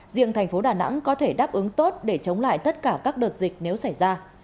riêng thành phố đà nẵng có thể đáp ứng tốt để chống lại tất cả các đợt dịch nếu xảy ra